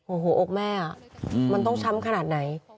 โอ้โหอกแม่มันต้องช้ำขนาดไหน